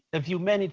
laut di bumi meningkat